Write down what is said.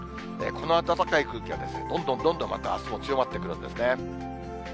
この暖かい空気は、どんどんどんどん、またあすも強まってくるんですね。